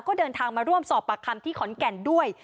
ก็เดินทางมาร่วมสอบปากคำที่ขอนแก่นด้วย